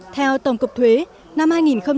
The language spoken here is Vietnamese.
theo tổng cục thuế năm hai nghìn một mươi tám